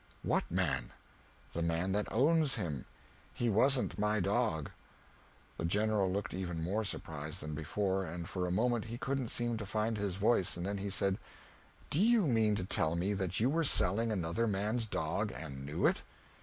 "What man?" "The man that owns him; he wasn't my dog." The General looked even more surprised than before, and for a moment he couldn't seem to find his voice; then he said, "Do you mean to tell me that you were selling another man's dog and knew it?"